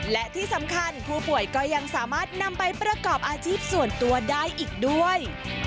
และที่สำคัญผู้ป่วยก็ยังสามารถนำไปประกอบอาชีพส่วนตัวได้อีกด้วย